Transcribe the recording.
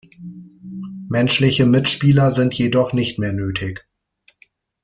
Menschliche Mitspieler sind jedoch nicht mehr nötig.